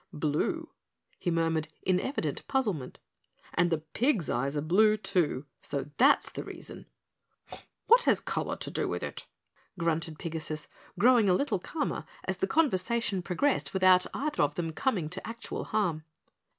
"Blue!" he murmured in evident puzzlement. "And the pig's eyes are blue, too. So that's the reason." "What has the color to do with it?" grunted Pigasus, growing a little calmer as the conversation progressed without either of them coming to actual harm.